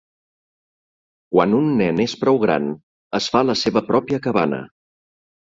Quan un nen és prou gran, es fa la seva pròpia cabana.